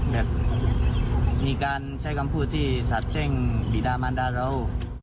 แบบมีการใช้คำพูดที่สาเจ้งบีดามารดาราว